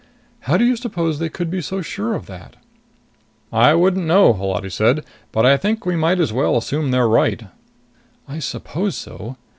How do you suppose they could be so sure of that?" "I wouldn't know," Holati said. "But I think we might as well assume they're right." "I suppose so.